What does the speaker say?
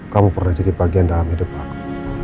kamu pernah jadi bagian dalam hidup aku